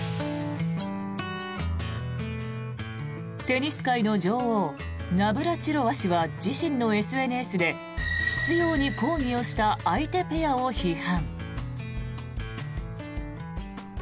テニス界の女王ナブラチロワ氏は自身のＳＮＳで執ように抗議をした相手ペアを批判。